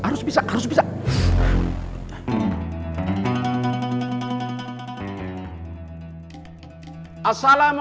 assalamu'alaikum warahmatullah wabarakatuh